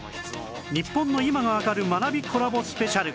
日本の今がわかる学びコラボスペシャル